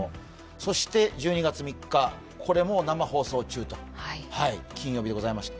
そして１２月３日、これも生放送中、金曜日でございました。